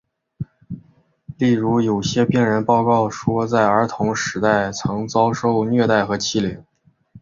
例如有些病人报告说在儿童时代曾遭受虐待和欺凌。